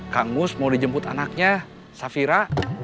kang mus mau dijemput anaknya safira